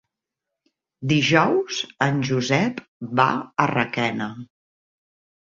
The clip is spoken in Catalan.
Dijous en Josep va a Requena.